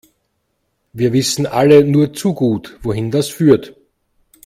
Wir wissen alle nur zu gut, wohin das führt.